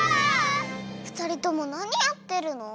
ふたりともなにやってるの？